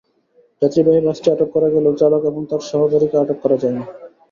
যাত্রীবাহী বাসটি আটক করা গেলেও চালক এবং তাঁর সহকারীকে আটক করা যায়নি।